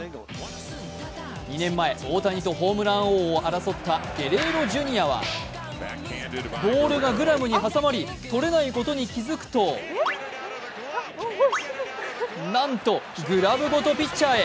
２年前、大谷とホームラン王を争ったゲレーロ・ジュニアはボールがグラブに挟まり取れないことに気付くとなんとグラブごとピッチャーへ。